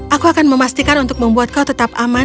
aku akan memastikan untuk membuat kau tetap aman